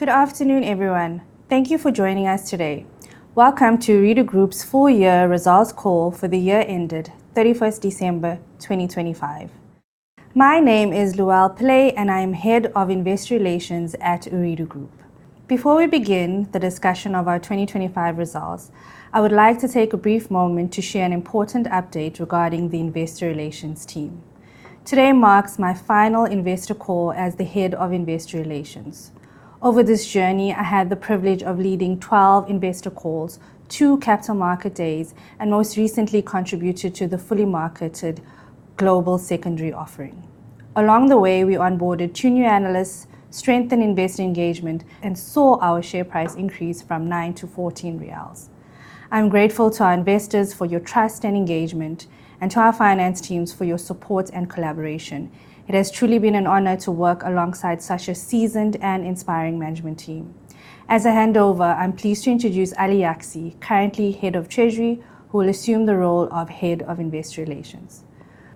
Good afternoon, everyone. Thank you for joining us today. Welcome to Ooredoo Group's full year results call for the year ended 31 December 2025. My name is Luelle Pillay, and I'm Head of Investor Relations at Ooredoo Group. Before we begin the discussion of our 2025 results, I would like to take a brief moment to share an important update regarding the Investor Relations team. Today marks my final investor call as the Head of Investor Relations. Over this journey, I had the privilege of leading 12 investor calls, two Capital Markets Days, and most recently contributed to the fully marketed global secondary offering. Along the way, we onboarded two new analysts, strengthened investor engagement, and saw our share price increase from 9 to QAR 14. I'm grateful to our investors for your trust and engagement and to our finance teams for your support and collaboration. It has truly been an honor to work alongside such a seasoned and inspiring management team. As I hand over, I'm pleased to introduce Ali Yagci, currently Head of Treasury, who will assume the role of Head of Investor Relations.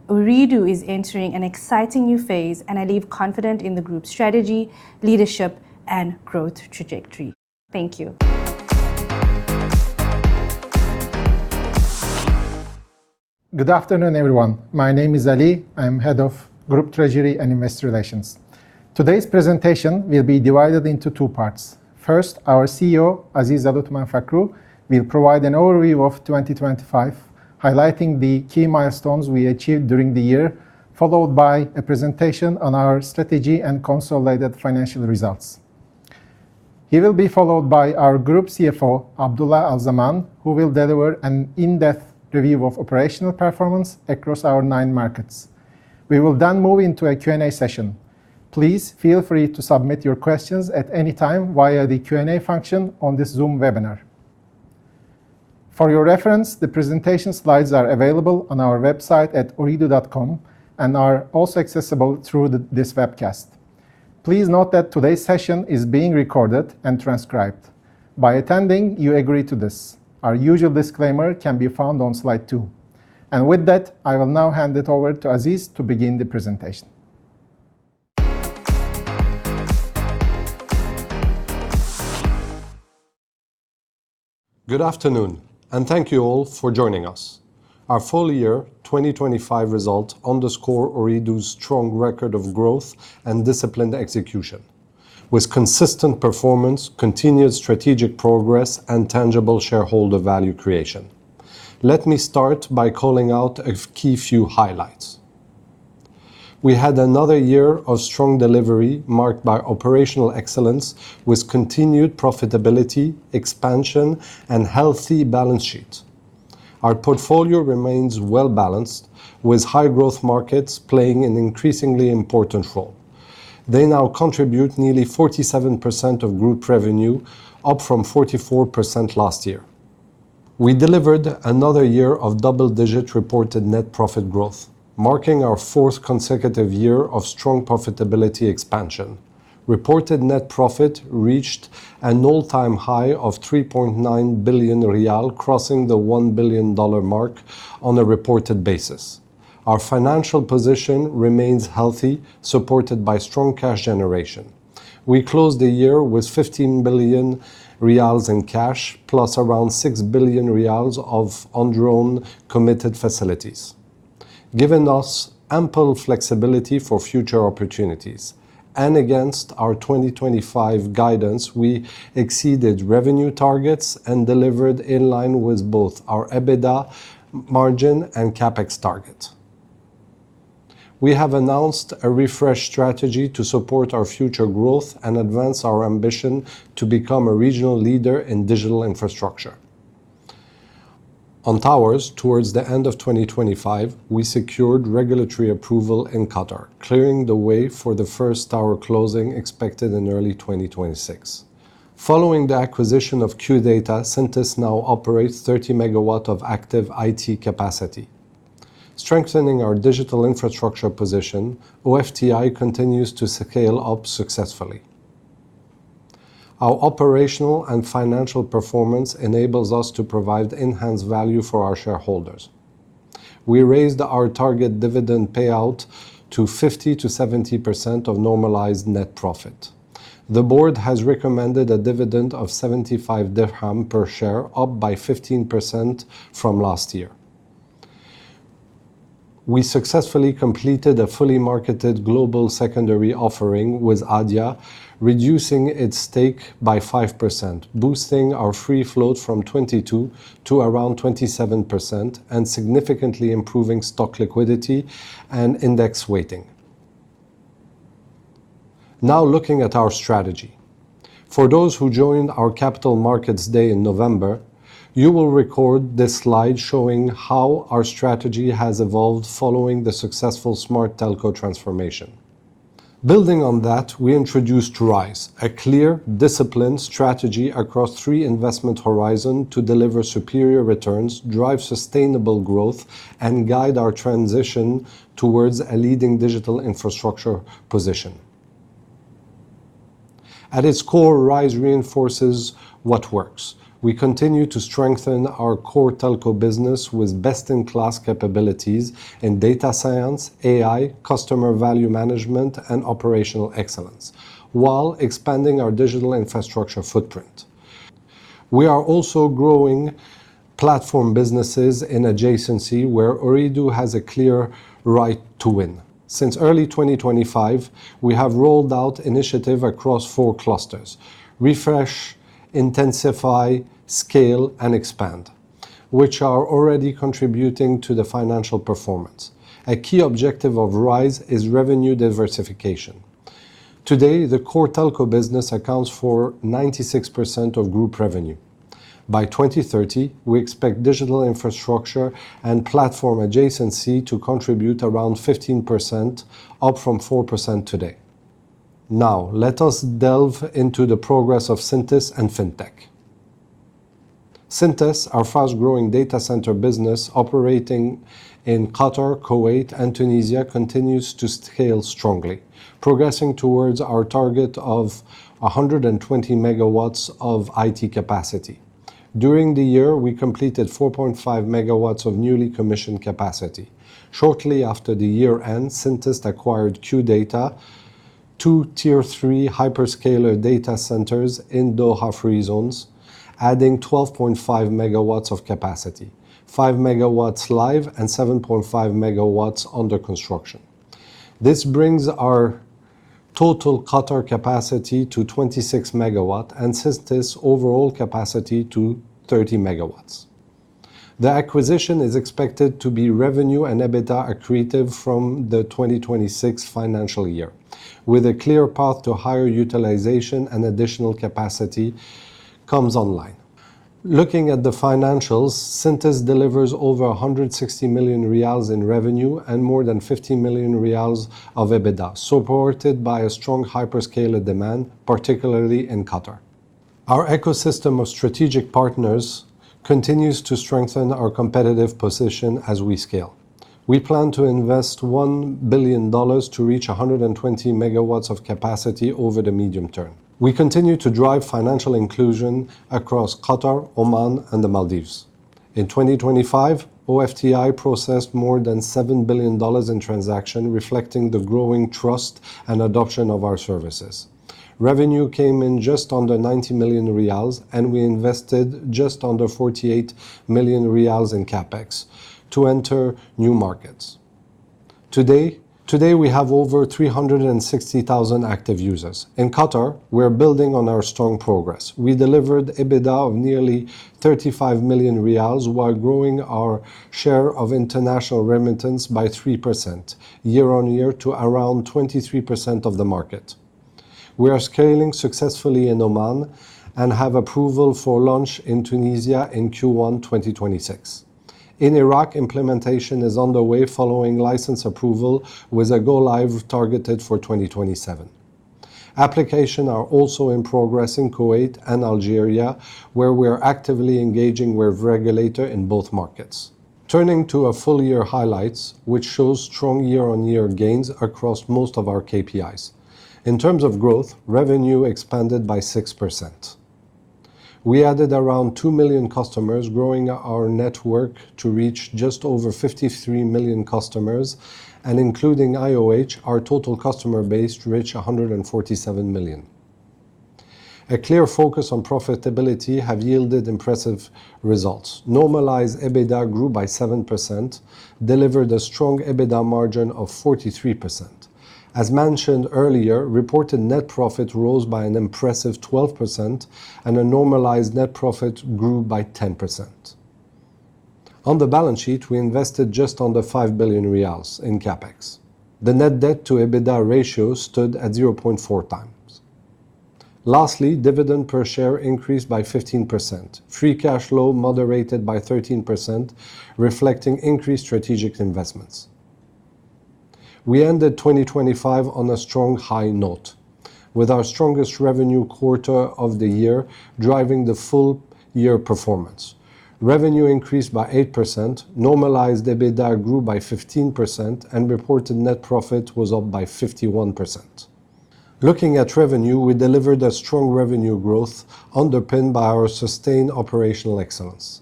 Ooredoo is entering an exciting new phase, and I leave confident in the group's strategy, leadership, and growth trajectory. Thank you. Good afternoon, everyone. My name is Ali. I'm Head of Group Treasury and Investor Relations. Today's presentation will be divided into two parts. First, our CEO, Aziz Aluthman Fakhroo, will provide an overview of 2025, highlighting the key milestones we achieved during the year, followed by a presentation on our strategy and consolidated financial results. He will be followed by our Group CFO, Abdulla Al Zaman, who will deliver an in-depth review of operational performance across our nine markets. We will then move into a Q&A session. Please feel free to submit your questions at any time via the Q&A function on this Zoom webinar. For your reference, the presentation slides are available on our website at ooredoo.com and are also accessible through this webcast. Please note that today's session is being recorded and transcribed. By attending, you agree to this. Our usual disclaimer can be found on slide two. With that, I will now hand it over to Aziz to begin the presentation. Good afternoon, and thank you all for joining us. Our full year 2025 results underscore Ooredoo's strong record of growth and disciplined execution, with consistent performance, continued strategic progress, and tangible shareholder value creation. Let me start by calling out a key few highlights. We had another year of strong delivery marked by operational excellence, with continued profitability, expansion, and healthy balance sheet. Our portfolio remains well-balanced, with high-growth markets playing an increasingly important role. They now contribute nearly 47% of group revenue, up from 44% last year. We delivered another year of double-digit reported net profit growth, marking our fourth consecutive year of strong profitability expansion. Reported net profit reached an all-time high of 3.9 billion riyal, crossing the $1 billion mark on a reported basis. Our financial position remains healthy, supported by strong cash generation. We closed the year with QAR 15 billion in cash, plus around QAR 6 billion of undrawn committed facilities, giving us ample flexibility for future opportunities. Against our 2025 guidance, we exceeded revenue targets and delivered in line with both our EBITDA margin and CapEx target. We have announced a refreshed strategy to support our future growth and advance our ambition to become a regional leader in digital infrastructure. On towers, towards the end of 2025, we secured regulatory approval in Qatar, clearing the way for the first tower closing, expected in early 2026. Following the acquisition of QData, Syntys now operates 30 MW of active IT capacity. Strengthening our digital infrastructure position, OFTI continues to scale up successfully. Our operational and financial performance enables us to provide enhanced value for our shareholders. We raised our target dividend payout to 50%-70% of normalized net profit. The board has recommended a dividend of 75 QAR per share, up by 15% from last year. We successfully completed a fully marketed global secondary offering, with ADIA reducing its stake by 5%, boosting our free float from 22% to around 27% and significantly improving stock liquidity and index weighting. Now looking at our strategy. For those who joined our Capital Markets Day in November, you will recall this slide showing how our strategy has evolved following the successful smart telco transformation. Building on that, we introduced RISE, a clear, disciplined strategy across three investment horizon to deliver superior returns, drive sustainable growth, and guide our transition towards a leading digital infrastructure position. At its core, RISE reinforces what works. We continue to strengthen our core telco business with best-in-class capabilities in data science, AI, customer value management, and operational excellence, while expanding our digital infrastructure footprint. We are also growing platform businesses in adjacency where Ooredoo has a clear right to win. Since early 2025, we have rolled out initiative across four clusters: Refresh, Intensify, Scale, and Expand, which are already contributing to the financial performance. A key objective of RISE is revenue diversification. Today, the core telco business accounts for 96% of group revenue. By 2030, we expect digital infrastructure and platform adjacency to contribute around 15%, up from 4% today. Now, let us delve into the progress of Syntys and Fintech. Syntys, our fast-growing data center business operating in Qatar, Kuwait, and Tunisia, continues to scale strongly, progressing towards our target of 120 MW of IT capacity. During the year, we completed 4.5 MW of newly commissioned capacity. Shortly after the year-end, Syntys acquired QData, two Tier Three hyperscaler data centers in Doha free zones, adding 12.5 MW of capacity, 5 MW live and 7.5 MW under construction. This brings our total Qatar capacity to 26 MW, and Syntys' overall capacity to 30 MW. The acquisition is expected to be revenue and EBITDA accretive from the 2026 financial year, with a clear path to higher utilization and additional capacity comes online. Looking at the financials, Syntys delivers over 160 million riyals in revenue and more than 50 million riyals of EBITDA, supported by a strong hyperscaler demand, particularly in Qatar. Our ecosystem of strategic partners continues to strengthen our competitive position as we scale. We plan to invest $1 billion to reach 120 MW of capacity over the medium term. We continue to drive financial inclusion across Qatar, Oman, and the Maldives. In 2025, OFTI processed more than $7 billion in transaction, reflecting the growing trust and adoption of our services. Revenue came in just under QAR 90 million, and we invested just under QAR 48 million in CapEx to enter new markets. Today we have over 360,000 active users. In Qatar, we are building on our strong progress. We delivered EBITDA of nearly 35 million riyals while growing our share of international remittance by 3% year-on-year to around 23% of the market. We are scaling successfully in Oman and have approval for launch in Tunisia in Q1 2026. In Iraq, implementation is underway following license approval, with a go live targeted for 2027. Applications are also in progress in Kuwait and Algeria, where we are actively engaging with regulators in both markets. Turning to our full year highlights, which show strong year-on-year gains across most of our KPIs. In terms of growth, revenue expanded by 6%. We added around 2 million customers, growing our network to reach just over 53 million customers, and including IOH, our total customer base reached 147 million. A clear focus on profitability has yielded impressive results. Normalized EBITDA grew by 7%, delivered a strong EBITDA margin of 43%. As mentioned earlier, reported net profit rose by an impressive 12%, and a normalized net profit grew by 10%. On the balance sheet, we invested just under 5 billion riyals in CapEx. The net debt to EBITDA ratio stood at 0.4x. Lastly, dividend per share increased by 15%. Free cash flow moderated by 13%, reflecting increased strategic investments. We ended 2025 on a strong high note, with our strongest revenue quarter of the year driving the full year performance. Revenue increased by 8%, normalized EBITDA grew by 15%, and reported net profit was up by 51%. Looking at revenue, we delivered a strong revenue growth underpinned by our sustained operational excellence.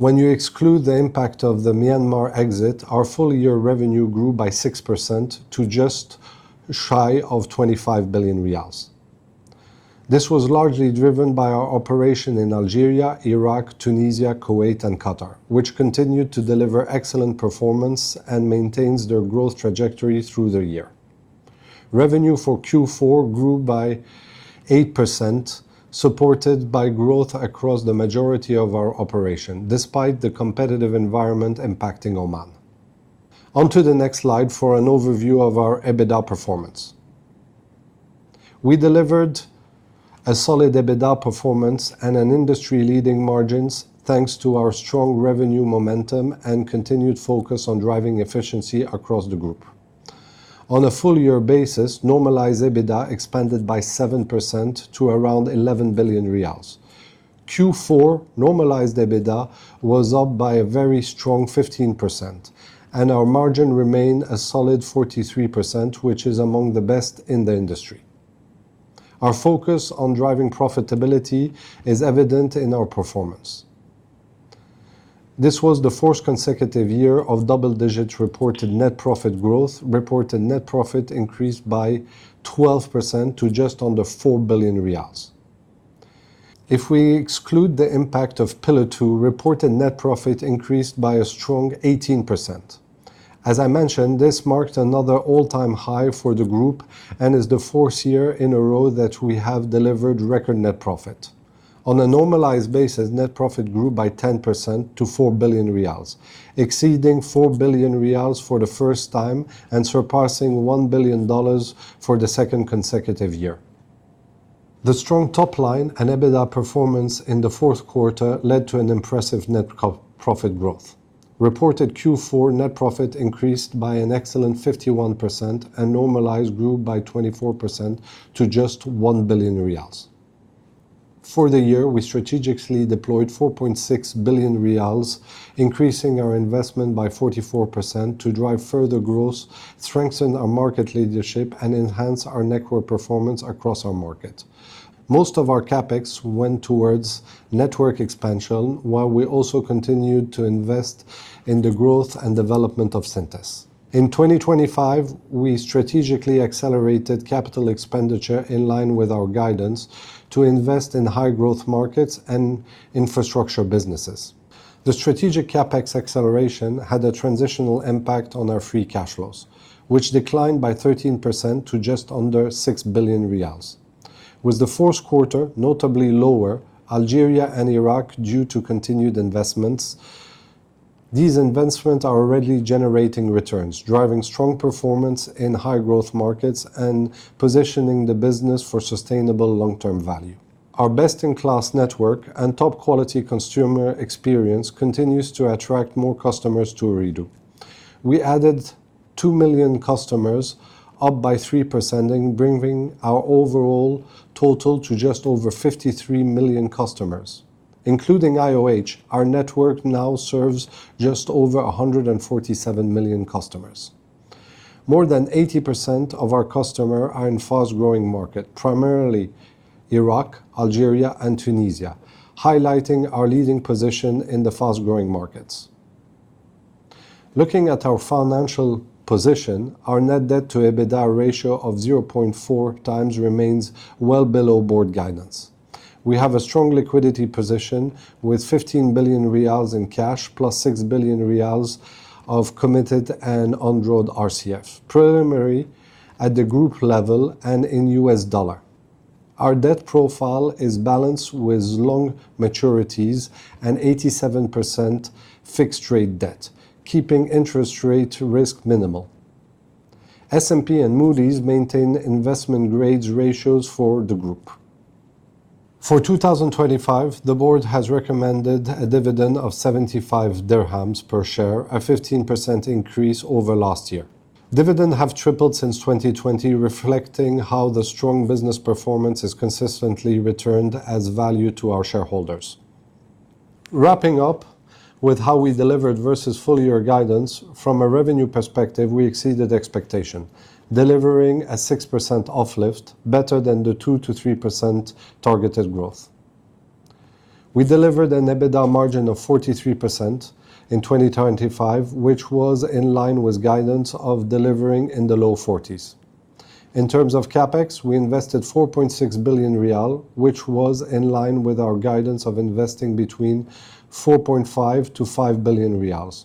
When you exclude the impact of the Myanmar exit, our full year revenue grew by 6% to just shy of 25 billion riyals. This was largely driven by our operation in Algeria, Iraq, Tunisia, Kuwait, and Qatar, which continued to deliver excellent performance and maintains their growth trajectory through the year. Revenue for Q4 grew by 8%, supported by growth across the majority of our operation, despite the competitive environment impacting Oman. Onto the next slide for an overview of our EBITDA performance. We delivered a solid EBITDA performance and an industry-leading margins, thanks to our strong revenue momentum and continued focus on driving efficiency across the group. On a full year basis, normalized EBITDA expanded by 7% to around 11 billion riyals. Q4 normalized EBITDA was up by a very strong 15%, and our margin remained a solid 43%, which is among the best in the industry. Our focus on driving profitability is evident in our performance. This was the fourth consecutive year of double-digit reported net profit growth. Reported net profit increased by 12% to just under 4 billion riyals. If we exclude the impact of Pillar Two, reported net profit increased by a strong 18%. As I mentioned, this marked another all-time high for the group and is the 4th year in a row that we have delivered record net profit. On a normalized basis, net profit grew by 10% to 4 billion riyals, exceeding 4 billion riyals for the first time and surpassing $1 billion for the second consecutive year. The strong top line and EBITDA performance in the fourth quarter led to an impressive net core-profit growth. Reported Q4 net profit increased by an excellent 51% and normalized grew by 24% to just 1 billion riyals. For the year, we strategically deployed 4.6 billion riyals, increasing our investment by 44% to drive further growth, strengthen our market leadership, and enhance our network performance across our market. Most of our CapEx went towards network expansion, while we also continued to invest in the growth and development of Syntys. In 2025, we strategically accelerated capital expenditure in line with our guidance to invest in high-growth markets and infrastructure businesses. The strategic CapEx acceleration had a transitional impact on our free cash flows, which declined by 13% to just under 6 billion riyals, with the fourth quarter notably lower, Algeria and Iraq, due to continued investments. These investments are already generating returns, driving strong performance in high-growth markets and positioning the business for sustainable long-term value. Our best-in-class network and top-quality consumer experience continues to attract more customers to Ooredoo. We added 2 million customers, up by 3%, in bringing our overall total to just over 53 million customers. Including IOH, our network now serves just over 147 million customers. More than 80% of our customers are in fast-growing markets, primarily Iraq, Algeria, and Tunisia, highlighting our leading position in the fast-growing markets. Looking at our financial position, our net debt to EBITDA ratio of 0.4x remains well below board guidance. We have a strong liquidity position with 15 billion riyals in cash, plus 6 billion riyals of committed and undrawn RCF, primarily at the group level and in U.S. dollar. Our debt profile is balanced with long maturities and 87% fixed rate debt, keeping interest rate risk minimal. S&P and Moody's maintain investment-grade ratings for the group. For 2025, the board has recommended a dividend of QAR 0.75 per share, a 15% increase over last year. Dividends have tripled since 2020, reflecting how the strong business performance is consistently returned as value to our shareholders. Wrapping up with how we delivered versus full-year guidance, from a revenue perspective, we exceeded expectation, delivering a 6% uplift, better than the 2%-3% targeted growth. We delivered an EBITDA margin of 43% in 2025, which was in line with guidance of delivering in the low 40s. In terms of CapEx, we invested QAR 4.6 billion, which was in line with our guidance of investing between QAR 4.5-QAR 5 billion.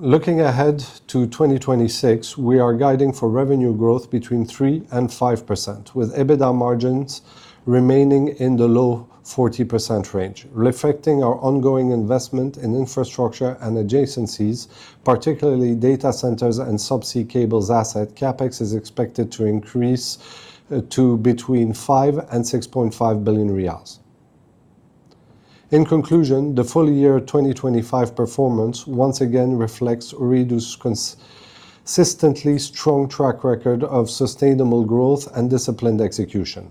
Looking ahead to 2026, we are guiding for revenue growth between 3% and 5%, with EBITDA margins remaining in the low 40% range. Reflecting our ongoing investment in infrastructure and adjacencies, particularly data centers and subsea cables asset, CapEx is expected to increase to between 5 billion and 6.5 billion riyals. In conclusion, the full year 2025 performance once again reflects Ooredoo's consistently strong track record of sustainable growth and disciplined execution.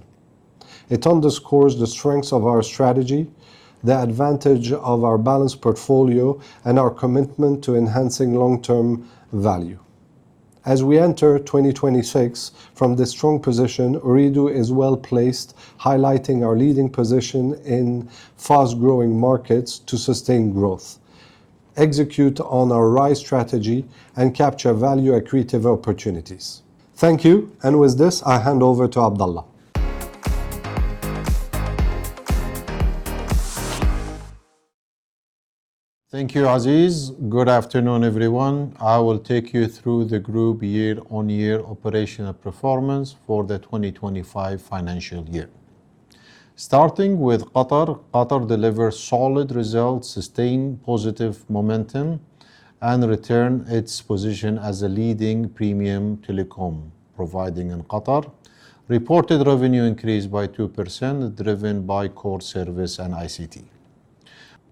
It underscores the strengths of our strategy, the advantage of our balanced portfolio, and our commitment to enhancing long-term value. As we enter 2026 from this strong position, Ooredoo is well-placed, highlighting our leading position in fast-growing markets to sustain growth, execute on our RISE strategy, and capture value-accretive opportunities. Thank you. And with this, I hand over to Abdulla. Thank you, Aziz. Good afternoon, everyone. I will take you through the group year-on-year operational performance for the 2025 financial year. Starting with Qatar. Qatar delivers solid results, sustain positive momentum, and return its position as a leading premium telecom providing in Qatar. Reported revenue increased by 2%, driven by core service and ICT.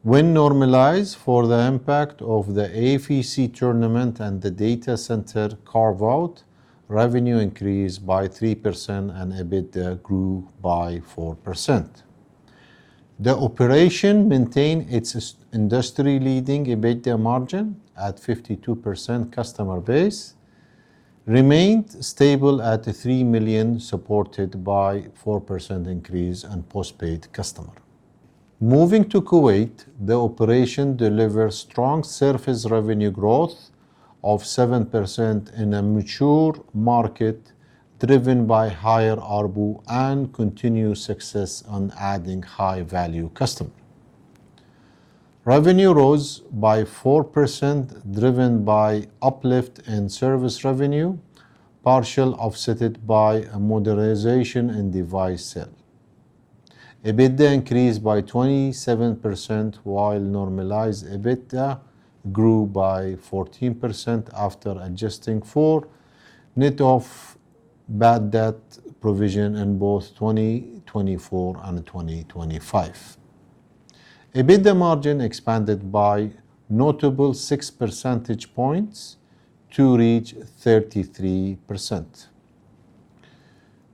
When normalized for the impact of the AFC tournament and the data center carve-out, revenue increased by 3% and EBITDA grew by 4%. The operation maintained its in-industry-leading EBITDA margin at 52%. Customer base remained stable at 3 million, supported by 4% increase in postpaid customer. Moving to Kuwait, the operation delivers strong service revenue growth of 7% in a mature market, driven by higher ARPU and continued success on adding high-value customer. Revenue rose by 4%, driven by uplift in service revenue, partially offset by a modernization and device sale. EBITDA increased by 27%, while normalized EBITDA grew by 14% after adjusting for net of bad debt provision in both 2024 and 2025. EBITDA margin expanded by notable 6 percentage points to reach 33%.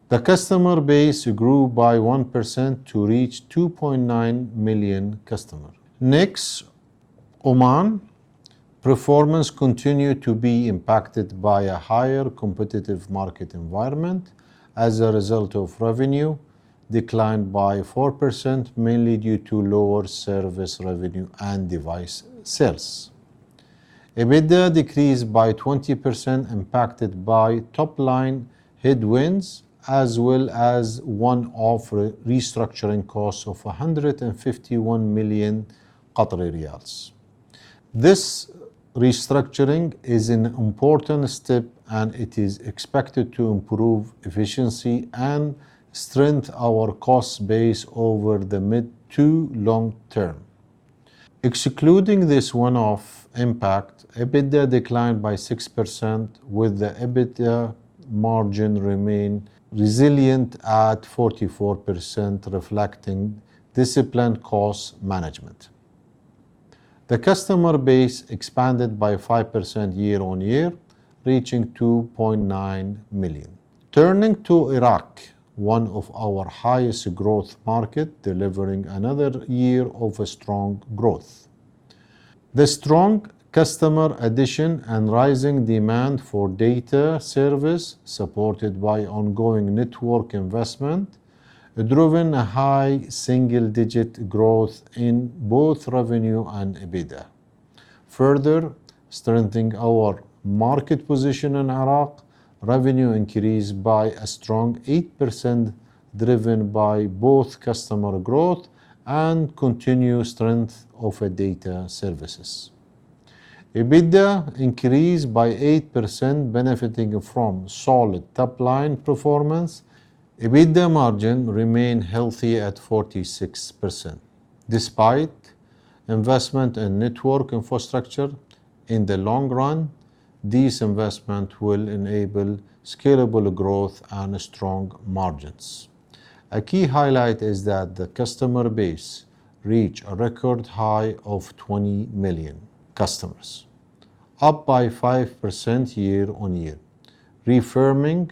The customer base grew by 1% to reach 2.9 million customer. Next, Oman. Performance continued to be impacted by a higher competitive market environment. As a result, revenue declined by 4%, mainly due to lower service revenue and device sales. EBITDA decreased by 20%, impacted by top-line headwinds, as well as one-off restructuring cost of QAR 151 million. This restructuring is an important step, and it is expected to improve efficiency and strengthen our cost base over the mid- to long-term. Excluding this one-off impact, EBITDA declined by 6%, with the EBITDA margin remain resilient at 44%, reflecting disciplined cost management. The customer base expanded by 5% year-on-year, reaching 2.9 million. Turning to Iraq, one of our highest growth market, delivering another year of strong growth. The strong customer addition and rising demand for data service, supported by ongoing network investment, driven a high single-digit growth in both revenue and EBITDA, further strengthening our market position in Iraq. Revenue increased by a strong 8%, driven by both customer growth and continued strength of data services. EBITDA increased by 8%, benefiting from solid top-line performance. EBITDA margin remained healthy at 46%, despite investment in network infrastructure. In the long run, these investment will enable scalable growth and strong margins. A key highlight is that the customer base reached a record high of 20 million customers, up 5% year-on-year, reaffirming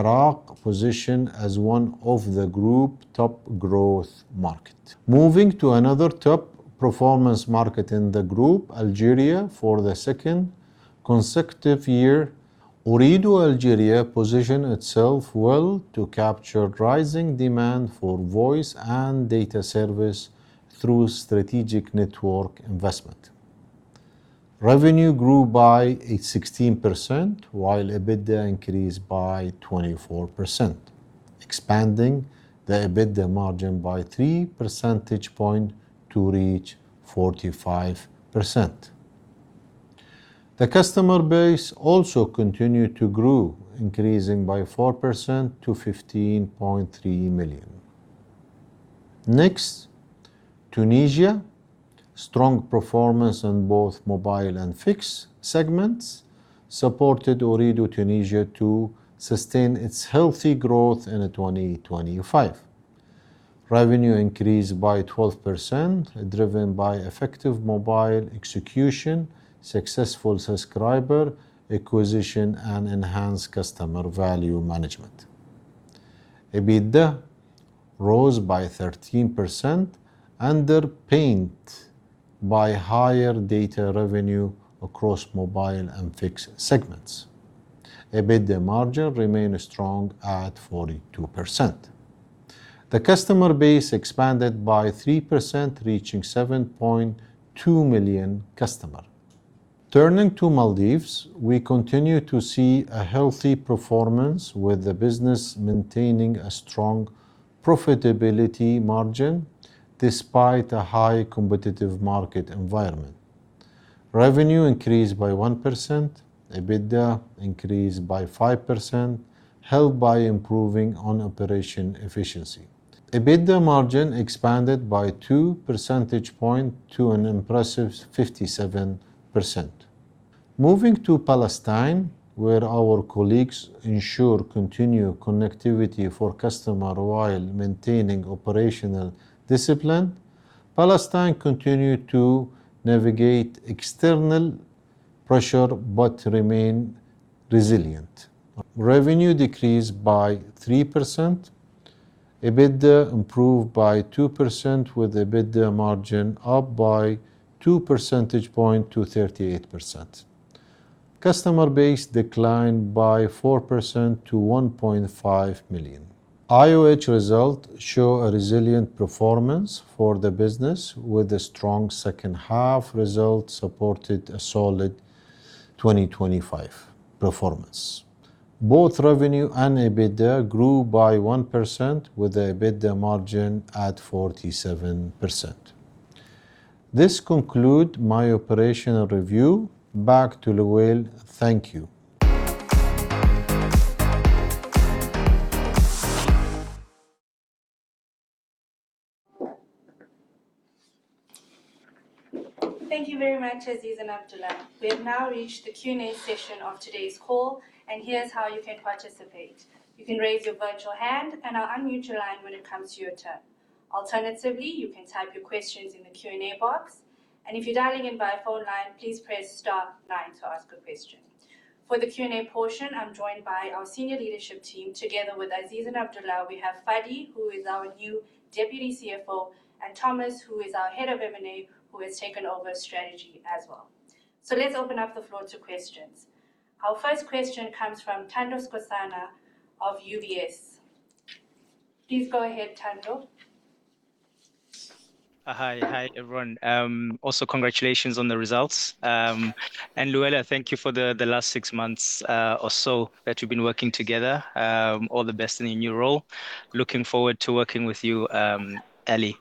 Iraq's position as one of the group's top growth markets. Moving to another top performance market in the group, Algeria. For the second consecutive year, Ooredoo Algeria positioned itself well to capture rising demand for voice and data services through strategic network investment. Revenue grew by 16%, while EBITDA increased by 24%, expanding the EBITDA margin by 3 percentage points to reach 45%. The customer base also continued to grow, increasing by 4% to 15.3 million. Next, Tunisia. Strong performance on both mobile and fixed segments supported Ooredoo Tunisia to sustain its healthy growth in 2025. Revenue increased by 12%, driven by effective mobile execution, successful subscriber acquisition, and enhanced customer value management. EBITDA rose by 13%, underpinned by higher data revenue across mobile and fixed segments. EBITDA margin remained strong at 42%. The customer base expanded by 3%, reaching 7.2 million customers. Turning to Maldives, we continue to see a healthy performance, with the business maintaining a strong profitability margin despite a high competitive market environment. Revenue increased by 1%. EBITDA increased by 5%, helped by improving operational efficiency. EBITDA margin expanded by 2 percentage points to an impressive 57%. Moving to Palestine, where our colleagues ensure continued connectivity for customers while maintaining operational discipline. Palestine continued to navigate external pressure but remains resilient. Revenue decreased by 3%. EBITDA improved by 2% with EBITDA margin up by 2 percentage points to 38%. Customer base declined by 4% to 1.5 million. IOH results show a resilient performance for the business, with a strong second half result supported a solid 2025 performance. Both revenue and EBITDA grew by 1%, with EBITDA margin at 47%. This conclude my operational review. Back to Luelle. Thank you. Thank you very much, Aziz and Abdulla. We have now reached the Q&A session of today's call, and here's how you can participate. You can raise your virtual hand, and I'll unmute your line when it comes to your turn. Alternatively, you can type your questions in the Q&A box, and if you're dialing in by phone line, please press star nine to ask a question. For the Q&A portion, I'm joined by our senior leadership team. Together with Aziz and Abdulla, we have Fadi, who is our new Deputy CFO, and Thomas, who is our Head of M&A, who has taken over strategy as well. Let's open up the floor to questions. Our first question comes from Thando Skosana of UBS. Please go ahead, Thando. Hi. Hi, everyone. Also congratulations on the results. Louelle, thank you for the, the last six months, or so that we've been working together. All the best in your new role. Looking forward to working with you, Ali.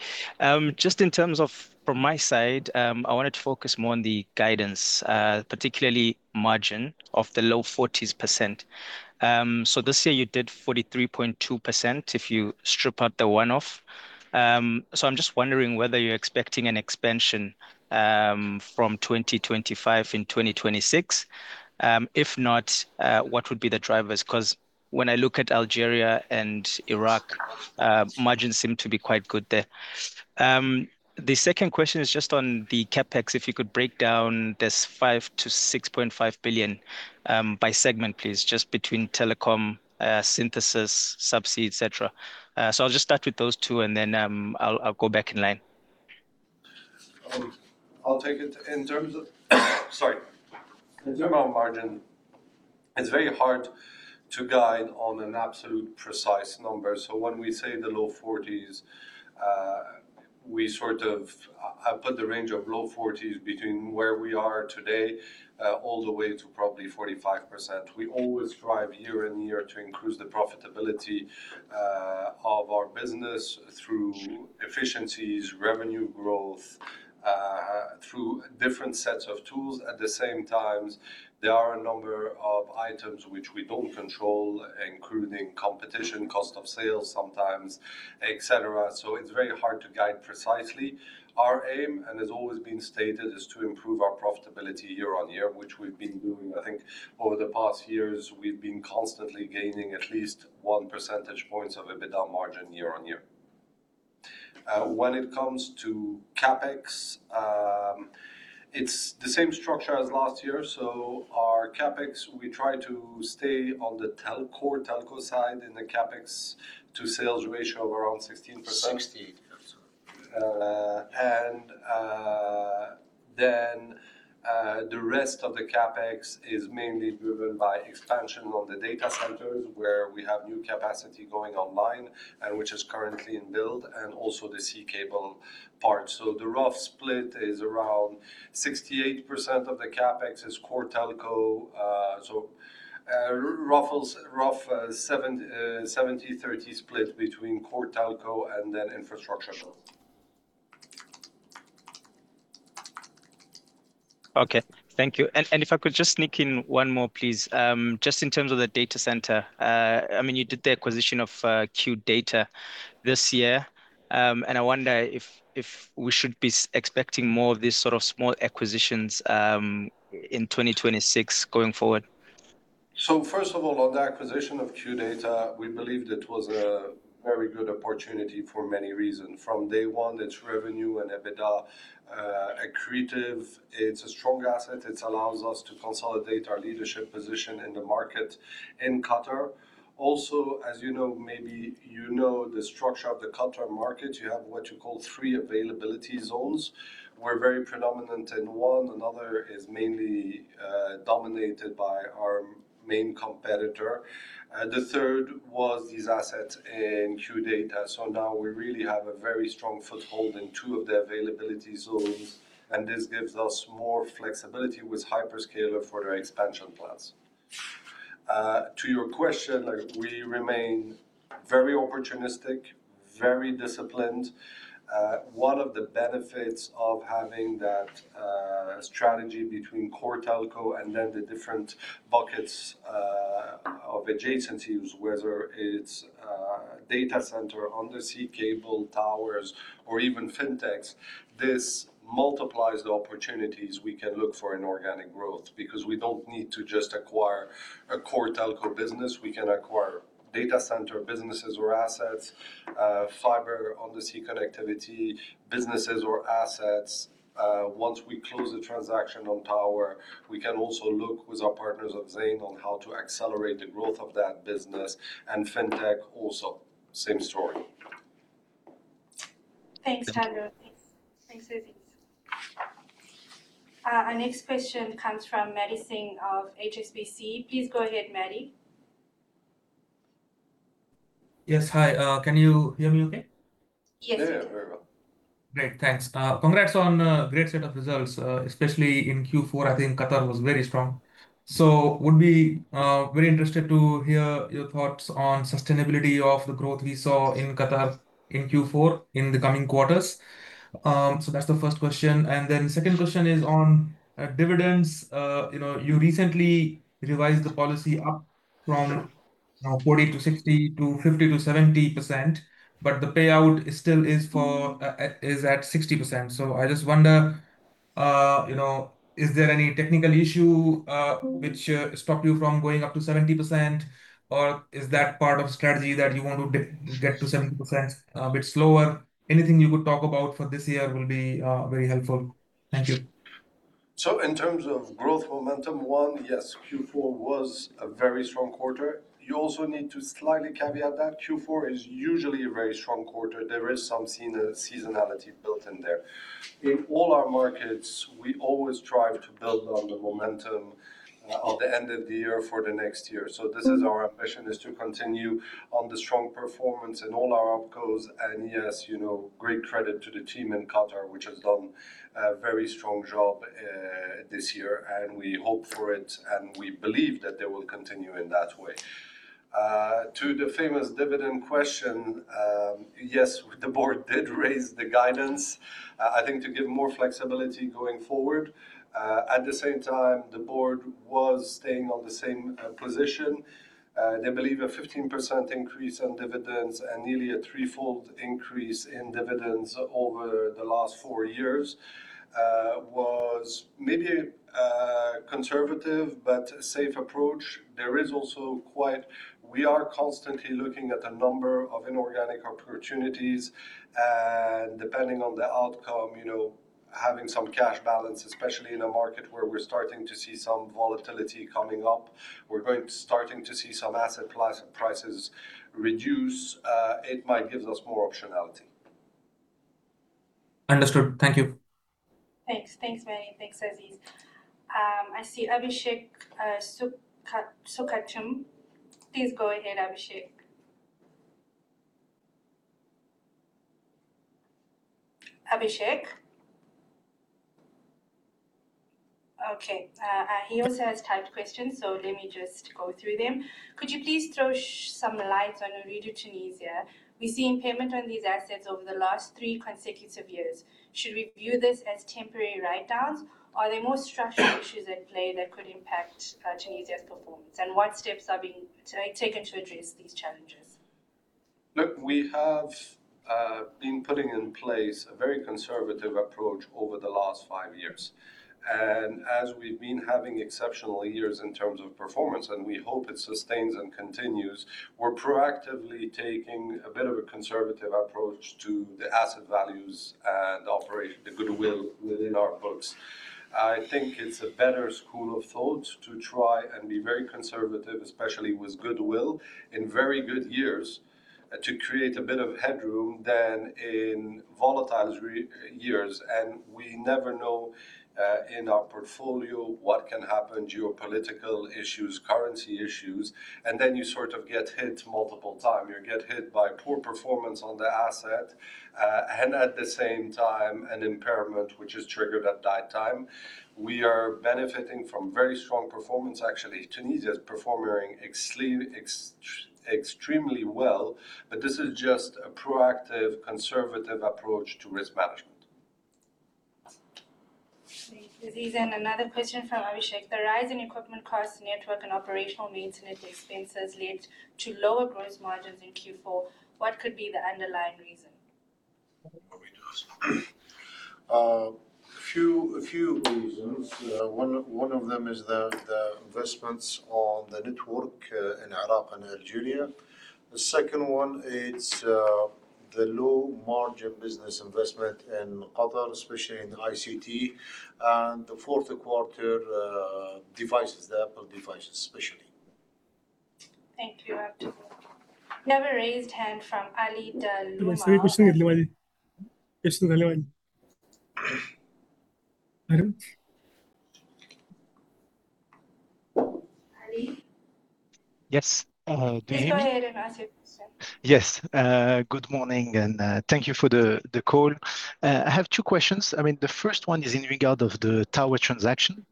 Just in terms of from my side, I wanted to focus more on the guidance, particularly margin of the low 40s%. This year you did 43.2% if you strip out the one-off. I'm just wondering whether you're expecting an expansion, from 2025 in 2026. If not, what would be the drivers? 'Cause when I look at Algeria and Iraq, margins seem to be quite good there. The second question is just on the CapEx. If you could break down this $5 billion-$6.5 billion by segment, please, just between telecom, Syntys, subsea, et cetera. So I'll just start with those two, and then I'll go back in line. I'll take it. In terms of margin, it's very hard to guide on an absolute precise number. So when we say the low 40s, we sort of put the range of low 40s between where we are today all the way to probably 45%. We always strive year and year to increase the profitability of our business through efficiencies, revenue growth through different sets of tools. At the same time, there are a number of items which we don't control, including competition, cost of sales, sometimes, et cetera. So it's very hard to guide precisely. Our aim, and has always been stated, is to improve our profitability year on year, which we've been doing. I think over the past years, we've been constantly gaining at least one percentage points of EBITDA margin year on year. When it comes to CapEx, it's the same structure as last year. So our CapEx, we try to stay on the telco, telco side in the CapEx to sales ratio of around 16%. 68, I'm sorry. And, then, the rest of the CapEx is mainly driven by expansion of the data centers, where we have new capacity going online and which is currently in build, and also the sea cable part. So the rough split is around 68% of the CapEx is core telco. So, roughly 70/30 split between core telco and then infrastructure. Okay, thank you. And if I could just sneak in one more, please. Just in terms of the data center, I mean, you did the acquisition of QData this year, and I wonder if we should be expecting more of these sort of small acquisitions in 2026 going forward. So first of all, on the acquisition of QData, we believed it was a very good opportunity for many reasons. From day one, its revenue and EBITDA accretive. It's a strong asset. It allows us to consolidate our leadership position in the market in Qatar. Also, as you know, maybe you know the structure of the Qatar market. You have what you call three availability zones. We're very predominant in one, another is mainly dominated by our main competitor. The third was these assets in QData. So now we really have a very strong foothold in two of the availability zones, and this gives us more flexibility with hyperscaler for their expansion plans. To your question, like, we remain very opportunistic, very disciplined. One of the benefits of having that strategy between core telco and then the different buckets of adjacencies, whether it's data center, undersea cable, towers, or even fintechs, this multiplies the opportunities we can look for in organic growth. Because we don't need to just acquire a core telco business, we can acquire data center businesses or assets, fiber, undersea connectivity, businesses or assets. Once we close the transaction on tower, we can also look with our partners at Zain on how to accelerate the growth of that business and fintech also, same story. Thanks. Thanks, Aziz. Our next question comes from Maddy Singh of HSBC. Please go ahead, Maddy. Yes. Hi, can you hear me okay? Yes. Very, very well. Great, thanks. Congrats on a great set of results, especially in Q4. I think Qatar was very strong. So would be very interested to hear your thoughts on sustainability of the growth we saw in Qatar in Q4, in the coming quarters. So that's the first question. And then second question is on dividends. You know, you recently revised the policy up from 40%-60% to 50%-70%, but the payout is still at 60%. So I just wonder, you know, is there any technical issue which stopped you from going up to 70%? Or is that part of strategy that you want to get to 70% a bit slower? Anything you could talk about for this year will be very helpful. Thank you. So in terms of growth momentum, one, yes, Q4 was a very strong quarter. You also need to slightly caveat that Q4 is usually a very strong quarter. There is some seasonality built in there. In all our markets, we always strive to build on the momentum of the end of the year for the next year. So this is our ambition, is to continue on the strong performance in all our opcos. And yes, you know, great credit to the team in Qatar, which has done a very strong job this year, and we hope for it, and we believe that they will continue in that way. To the famous dividend question, yes, the board did raise the guidance, I think to give more flexibility going forward. At the same time, the board was staying on the same position. They believe a 15% increase in dividends and nearly a threefold increase in dividends over the last four years was maybe a conservative but safe approach. There is also quite. We are constantly looking at a number of inorganic opportunities, and depending on the outcome, you know, having some cash balance, especially in a market where we're starting to see some volatility coming up. We're starting to see some asset prices reduce, it might gives us more optionality. Understood. Thank you. Thanks. Thanks, Maddy. Thanks, Aziz. I see Abhishek Sukumaran. Please go ahead, Abhishek. Abhishek? Okay, he also has typed questions, so let me just go through them. Could you please throw some light on Ooredoo Tunisia? We've seen impairment on these assets over the last three consecutive years. Should we view this as temporary write-downs, or are there more structural issues at play that could impact Tunisia's performance? And what steps are being taken to address these challenges? Look, we have been putting in place a very conservative approach over the last five years. As we've been having exceptional years in terms of performance, and we hope it sustains and continues, we're proactively taking a bit of a conservative approach to the asset values and operate the goodwill within our books. I think it's a better school of thought to try and be very conservative, especially with goodwill in very good years, to create a bit of headroom than in volatile years. We never know, in our portfolio what can happen, geopolitical issues, currency issues, and then you sort of get hit multiple time. You get hit by poor performance on the asset, and at the same time, an impairment which is triggered at that time. We are benefiting from very strong performance. Actually, Tunisia is performing extremely well, but this is just a proactive, conservative approach to risk management. Thanks, Aziz. Another question from Abhishek: The rise in equipment costs, network, and operational maintenance expenses led to lower gross margins in Q4. What could be the underlying reason? A few reasons. One of them is the investments on the network in Iraq and Algeria. The second one, it's the low-margin business investment in Qatar, especially in ICT, and the fourth quarter devices, the Apple devices, especially. Thank you, Abhishek. We have a raised hand from Ali Dhaloomal. Ali? Yes. Do you hear me? Yes. Good morning, and thank you for the call. I have two questions. I mean, the first one is in regard of the tower transaction.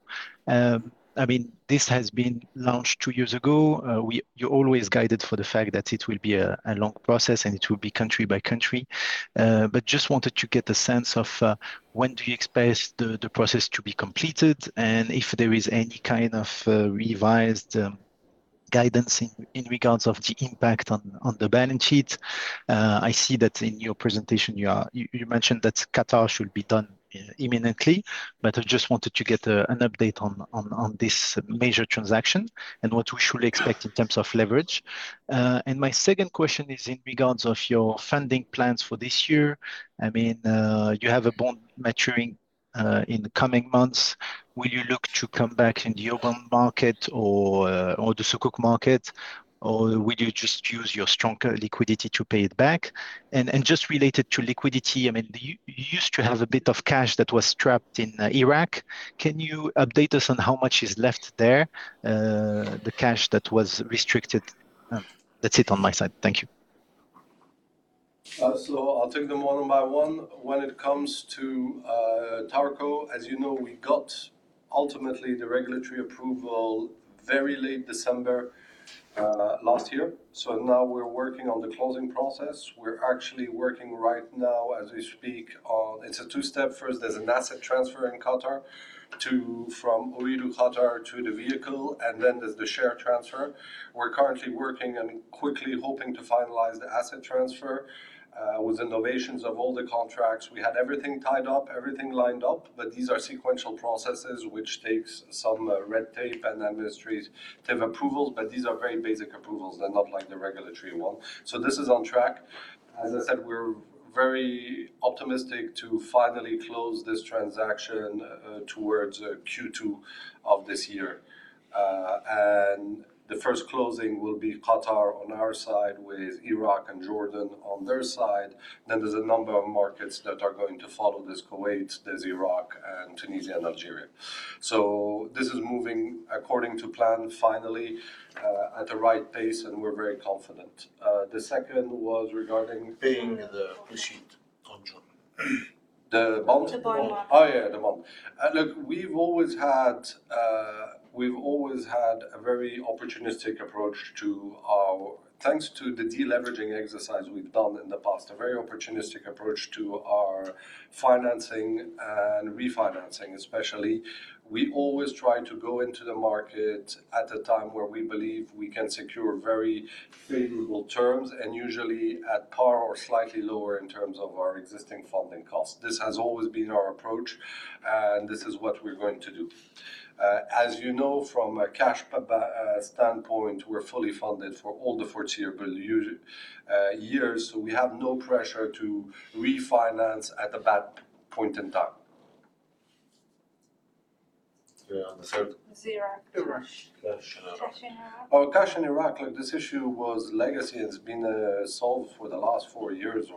I mean, this has been launched two years ago. You always guided for the fact that it will be a long process, and it will be country by country. But just wanted to get a sense of when do you expect the process to be completed, and if there is any kind of revised guidance in regards of the impact on the balance sheet? I see that in your presentation, you mentioned that Qatar should be done imminently. But I just wanted to get an update on this major transaction and what we should expect in terms of leverage. And my second question is in regards of your funding plans for this year. I mean, you have a bond maturing in the coming months. Will you look to come back in the Eurobond market or the Sukuk market, or will you just use your stronger liquidity to pay it back? And just related to liquidity, I mean, you used to have a bit of cash that was trapped in Iraq. Can you update us on how much is left there, the cash that was restricted? That's it on my side. Thank you. So I'll take them one by one. When it comes to TASC, as you know, we got ultimately the regulatory approval very late December last year. So now we're working on the closing process. We're actually working right now as we speak on. It's a two-step. First, there's an asset transfer in Qatar to, from Ooredoo Qatar to the vehicle, and then there's the share transfer. We're currently working and quickly hoping to finalize the asset transfer with novation of all the contracts. We had everything tied up, everything lined up, but these are sequential processes, which takes some red tape, and the ministries to have approvals, but these are very basic approvals. They're not like the regulatory one. So this is on track. As I said, we're very optimistic to finally close this transaction towards Q2 of this year. And the first closing will be Qatar on our side, with Iraq and Jordan on their side. Then there's a number of markets that are going to follow this, Kuwait, there's Iraq, and Tunisia, and Algeria. So this is moving according to plan, finally, at the right pace, and we're very confident. The second was regarding. Paying the receipt on June. The bond? The bond market. Oh, yeah, the bond. Look, we've always had, we've always had a very opportunistic approach to our. Thanks to the deleveraging exercise we've done in the past, a very opportunistic approach to our financing and refinancing, especially. We always try to go into the market at a time where we believe we can secure very favorable terms, and usually at par or slightly lower in terms of our existing funding cost. This has always been our approach, and this is what we're going to do. As you know, from a cash standpoint, we're fully funded for all the foreseeable years, so we have no pressure to refinance at a bad point in time. Yeah, on the third? The Iraq. Iraq. Cash in Iraq. Oh, cash in Iraq. Look, this issue was legacy, and it's been solved for the last four years.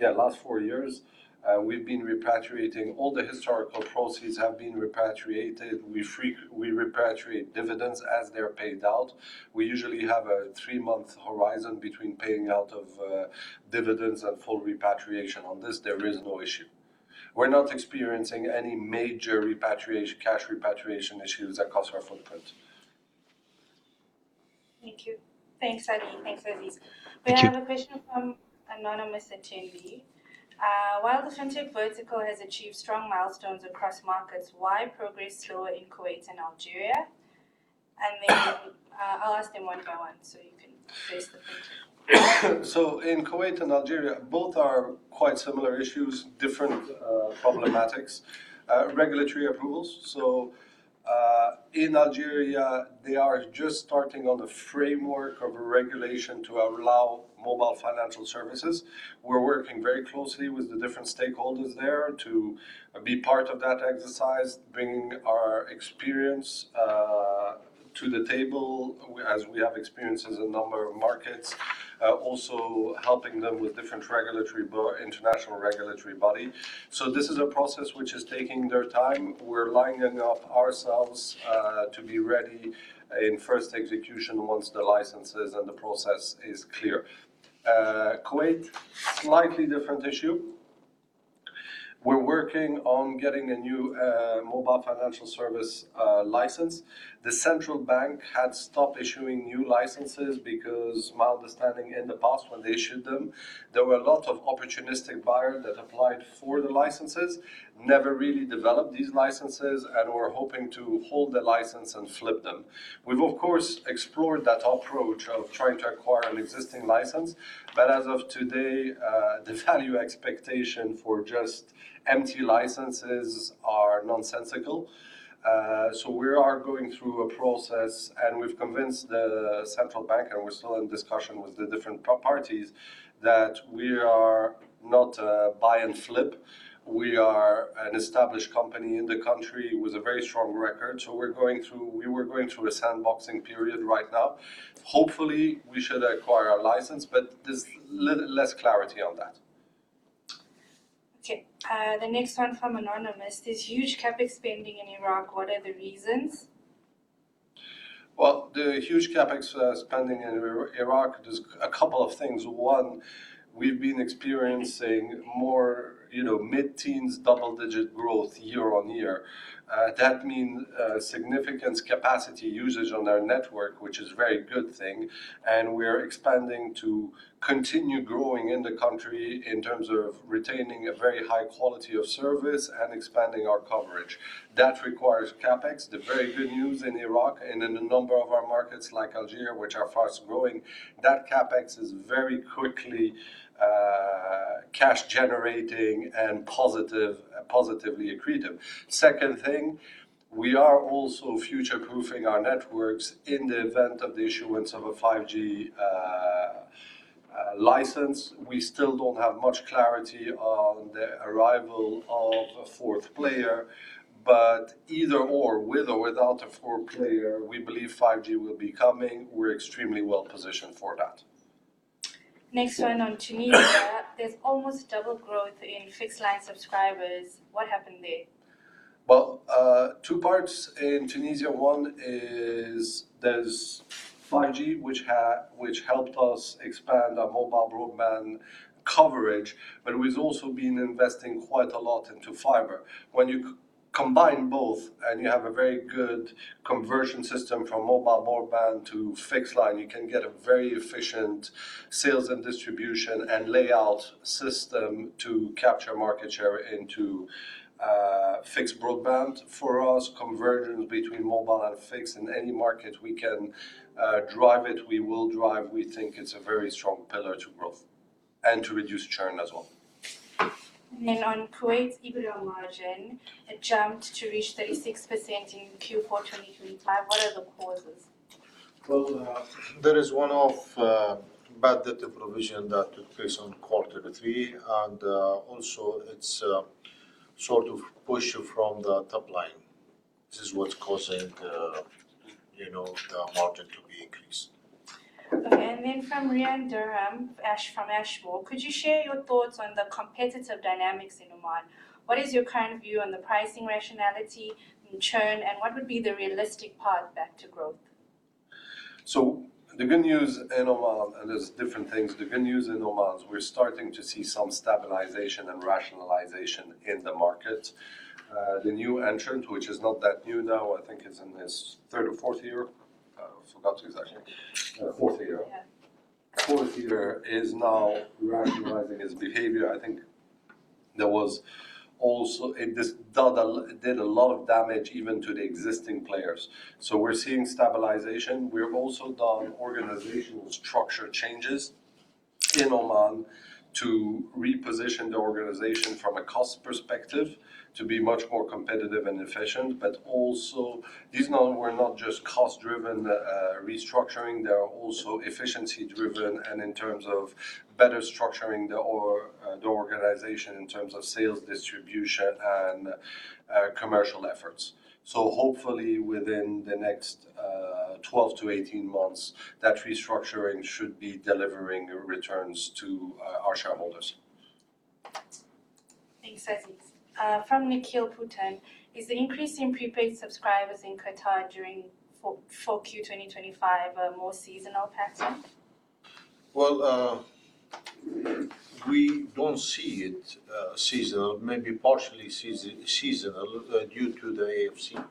Yeah, last four years, we've been repatriating. All the historical proceeds have been repatriated. We repatriate dividends as they're paid out. We usually have a three-month horizon between paying out of dividends and full repatriation. On this, there is no issue. We're not experiencing any major repatriation, cash repatriation issues across our footprint. Thank you. Thanks, Ali. Thanks, Aziz. We have a question from anonymous attendee. While the Fintech vertical has achieved strong milestones across markets, why progress slow in Kuwait and Algeria? And then, I'll ask them one by one, so you can face the question. So in Kuwait and Algeria, both are quite similar issues, different problematics, regulatory approvals. So, in Algeria, they are just starting on the framework of a regulation to allow mobile financial services. We're working very closely with the different stakeholders there to be part of that exercise, bringing our experience to the table, as we have experience as a number of markets. Also helping them with different regulatory bodies, international regulatory body. So this is a process which is taking their time. We're lining up ourselves to be ready in first execution once the licenses and the process is clear. Kuwait, slightly different issue. We're working on getting a new mobile financial service license. The central bank had stopped issuing new licenses because, my understanding in the past, when they issued them, there were a lot of opportunistic buyers that applied for the licenses, never really developed these licenses and were hoping to hold the license and flip them. We've, of course, explored that approach of trying to acquire an existing license, but as of today, the value expectation for just empty licenses are nonsensical. So we are going through a process, and we've convinced the central bank, and we're still in discussion with the different parties, that we are not a buy and flip. We are an established company in the country with a very strong record, so we're going through a sandboxing period right now. Hopefully, we should acquire a license, but there's less clarity on that. Okay, the next one from anonymous. This huge CapEx spending in Iraq, what are the reasons? Well, the huge CapEx spending in Iraq, there's a couple of things. One, we've been experiencing more, you know, mid-teens, double-digit growth year-on-year. That mean significance capacity usage on our network, which is very good thing, and we are expanding to continue growing in the country in terms of retaining a very high quality of service and expanding our coverage. That requires CapEx, the very good news in Iraq and in a number of our markets, like Algeria, which are fast-growing, that CapEx is very quickly cash generating and positive, positively accretive. Second thing, we are also future-proofing our networks in the event of the issuance of a 5G license. We still don't have much clarity on the arrival of a fourth player, but either or, with or without a fourth player, we believe 5G will be coming. We're extremely well positioned for that. Next one on Tunisia. There's almost double growth in fixed line subscribers. What happened there? Well, two parts in Tunisia. One is there's 5G, which helped us expand our mobile broadband coverage, but we've also been investing quite a lot into fiber. When you combine both, and you have a very good conversion system from mobile broadband to fixed line, you can get a very efficient sales and distribution and layout system to capture market share into fixed broadband. For us, convergence between mobile and fixed in any market, we can drive it, we will drive. We think it's a very strong pillar to growth and to reduce churn as well. On Kuwait's EBITDA margin, it jumped to reach 36% in Q4 2025. What are the causes? Well, there is one-off bad debt provision that took place on quarter three, and also it's a sort of push from the top line. This is what's causing, you know, the margin to be increased. Okay, and then from Rian Durham from Ashmore: "Could you share your thoughts on the competitive dynamics in Oman? What is your current view on the pricing rationality and churn, and what would be the realistic path back to growth? So the good news in Oman, and there's different things, the good news in Oman is we're starting to see some stabilization and rationalization in the market. The new entrant, which is not that new now, I think it's in its third or fourth year. I forgot exactly. Fourth year. Fourth year is now rationalizing his behavior. I think there was also. It did a lot of damage even to the existing players. So we're seeing stabilization. We have also done organizational structure changes in Oman to reposition the organization from a cost perspective, to be much more competitive and efficient, but also these now were not just cost-driven restructuring. They are also efficiency-driven and in terms of better structuring the organization, in terms of sales, distribution, and commercial efforts. So hopefully, within the next 12-18 months, that restructuring should be delivering returns to our shareholders. Thanks, Aziz. From Nikhil Potdar, Is the increase in prepaid subscribers in Qatar during Q4 for Q 2025 a more seasonal pattern? Well, we don't see it seasonal. Maybe partially seasonal due to the AFC,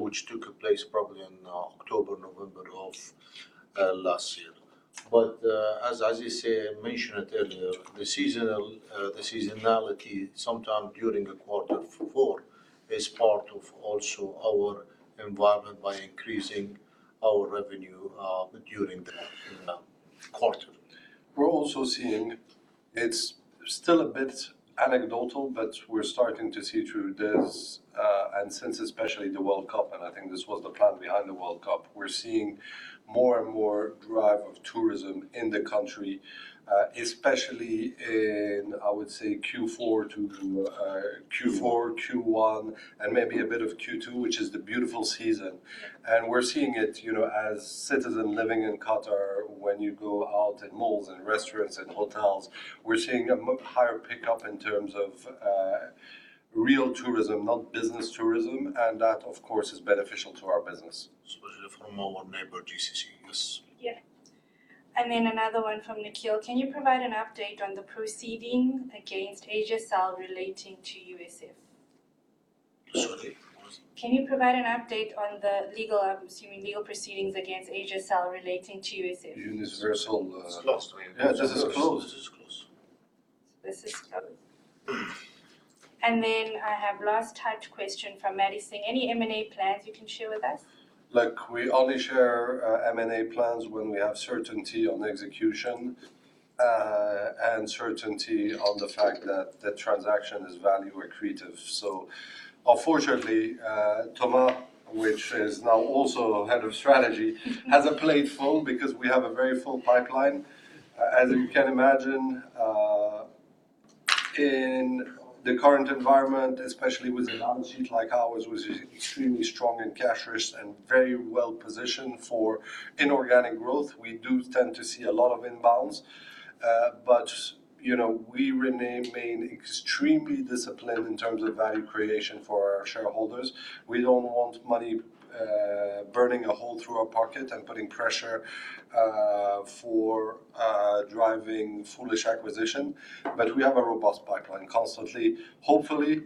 which took place probably in October, November of last year. But, as you say, I mentioned earlier, the seasonal, the seasonality sometime during quarter four is part of also our environment by increasing our revenue during the quarter. We're also seeing it's still a bit anecdotal, but we're starting to see through this, and since especially the World Cup, and I think this was the plan behind the World Cup, we're seeing more and more drive of tourism in the country, especially in, I would say, Q4 to Q1, and maybe a bit of Q2, which is the beautiful season. And we're seeing it, you know, as a citizen living in Qatar, when you go out in malls and restaurants and hotels, we're seeing a higher pickup in terms of real tourism, not business tourism, and that, of course, is beneficial to our business. Especially from our neighbor, GCC. Yes. Yeah. And then another one from Nikhil: "Can you provide an update on the proceeding against Etisalat relating to USF? Sorry, what? Can you provide an update on the legal, I'm assuming, legal proceedings against Etisalat relating to USF? Universal. It's closed. Yeah, this is closed. It is closed. This is closed. Then I have the last typed question from Maddy: "Any M&A plans you can share with us? Look, we only share M&A plans when we have certainty on execution and certainty on the fact that the transaction is value accretive. So unfortunately, Thomas, which is now also Head of Strategy, has a plate full because we have a very full pipeline. As you can imagine, in the current environment, especially with a balance sheet like ours, was extremely strong in cash risk and very well positioned for inorganic growth. We do tend to see a lot of inbounds, but, you know, we remain extremely disciplined in terms of value creation for our shareholders. We don't want money burning a hole through our pocket and putting pressure for driving foolish acquisition, but we have a robust pipeline constantly. Hopefully,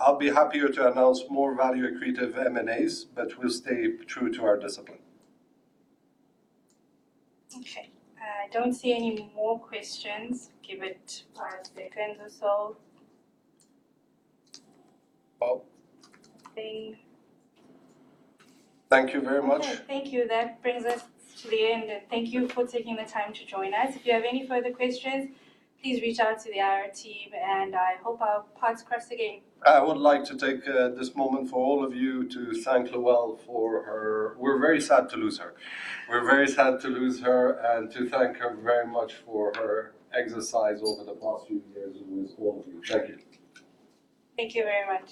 I'll be happier to announce more value accretive M&As, but we'll stay true to our discipline. Okay, I don't see any more questions. Give it five seconds or so. Thank you very much. Yeah, thank you. That brings us to the end, and thank you for taking the time to join us. If you have any further questions, please reach out to the IR team, and I hope our paths cross again. I would like to take this moment for all of you to thank Luelle for her service. We're very sad to lose her. We're very sad to lose her and to thank her very much for her service over the past few years with all of you. Thank you. Thank you very much.